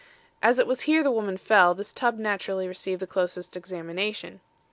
"As it was here the woman fell, this tub naturally received the closest examination.